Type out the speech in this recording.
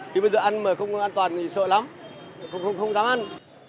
thì bây giờ ăn mà không an toàn thì sợ lắm không dám ăn